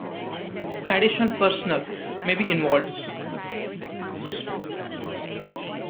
Additional personnel may be involved.